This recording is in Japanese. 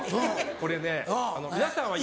これね皆さんは。